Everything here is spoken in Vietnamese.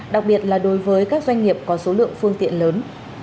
đặc biệt là đối với các doanh nghiệp có số lượng phương tiện lớn